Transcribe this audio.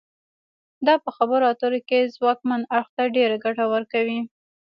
دا په خبرو اترو کې ځواکمن اړخ ته ډیره ګټه ورکوي